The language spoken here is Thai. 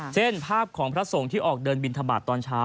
เช่นภาพของพระสงฆ์ที่ออกเดินบินทบาทตอนเช้า